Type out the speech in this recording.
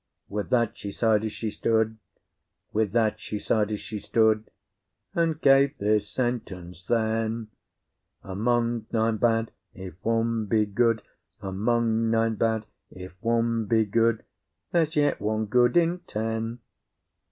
With that she sighed as she stood, With that she sighed as she stood, And gave this sentence then: Among nine bad if one be good, Among nine bad if one be good, There's yet one good in ten.